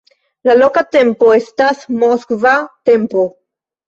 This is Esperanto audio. La loka tempo estas moskva tempo.